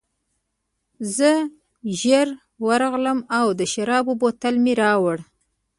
زه ژر ورغلم او د شرابو بوتل مې راوړ